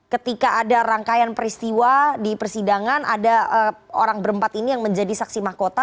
ketika ada rangkaian peristiwa di persidangan ada orang berempat ini yang menjadi saksi mahkota